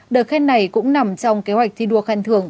được khen này cũng nằm trong kế hoạch thi đua khẳng thường